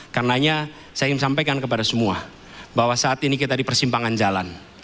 karena saya ingin sampaikan kepada semua bahwa saat ini kita di persimpangan jalan